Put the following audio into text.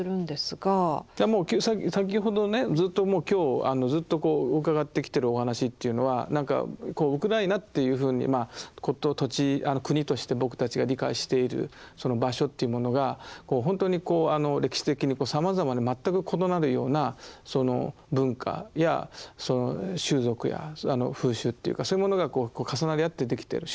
先ほどねずっともう今日伺ってきてるお話というのは何かウクライナっていうふうにまあ事土地国として僕たちが理解しているその場所というものがほんとにあの歴史的にさまざまな全く異なるような文化やその習俗や風習というかそういうものが重なり合ってできてる。